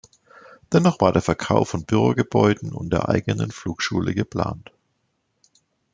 Dennoch war der Verkauf von Bürogebäuden und der eigenen Flugschule geplant.